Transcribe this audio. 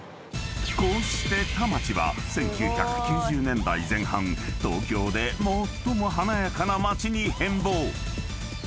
［こうして田町は１９９０年代前半東京で最も華やかな街に変貌］